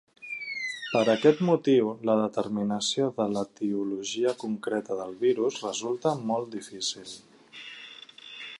Per aquest motiu, la determinació de l’etiologia concreta del virus resulta molt difícil.